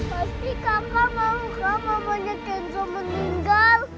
pasti kak mauka mamanya kenzo meninggal